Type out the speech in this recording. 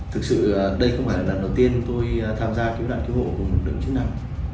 thực sự đây cũng phải là lần đầu tiên tôi tham gia cứu nạn cứu hộ của lực lượng chức năng